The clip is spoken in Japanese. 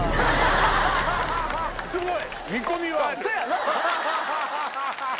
すごい！